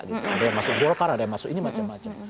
ada yang masuk golkar ada yang masuk ini macam macam